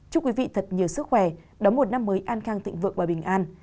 chúc quý vị thật nhiều sức khỏe đóng một năm mới an khang thịnh vượng và bình an